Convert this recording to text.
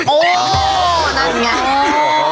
โอ้นั่นไง